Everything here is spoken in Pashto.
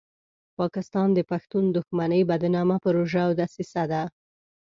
پاکستان د پښتون دښمنۍ بدنامه پروژه او دسیسه ده.